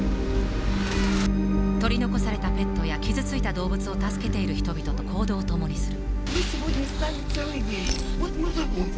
取り残されたペットや傷ついた動物を助けている人々と行動をともにする。